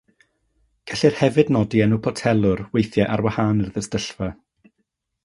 Gellir hefyd nodi enw potelwr, weithiau ar wahân i'r ddistyllfa.